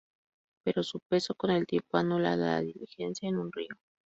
Pero su peso con el tiempo anula la diligencia en un río.